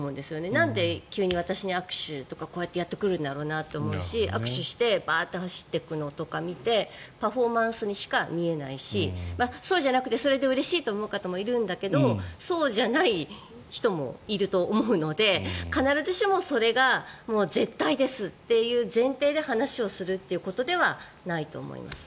なんで急に私に握手とかこうやってやってくるんだろうなと思うし握手してバーッと走っていくのを見てパフォーマンスにしか見えないしそうじゃなくてそれでうれしいと思う方もいるけどそうじゃない人もいると思うので必ずしもそれが絶対ですっていう前提で話をすることではないと思います。